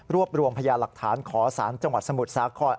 รวมรวมพญาหลักฐานขอสารจังหวัดสมุทรสาคร